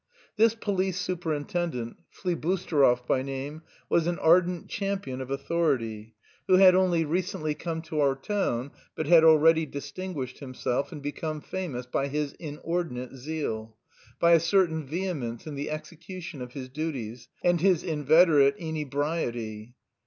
This police superintendent, Flibusterov by name, was an ardent champion of authority who had only recently come to our town but had already distinguished himself and become famous by his inordinate zeal, by a certain vehemence in the execution of his duties, and his inveterate inebriety.